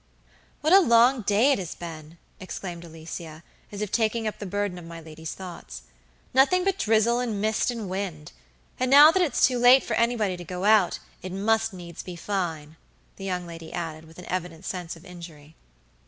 "What a long day it has been!" exclaimed Alicia, as if taking up the burden of my lady's thoughts; "nothing but drizzle and mist and wind! And now that it's too late for anybody to go out, it must needs be fine," the young lady added, with an evident sense of injury.